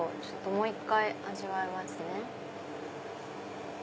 もう１回味わいますね。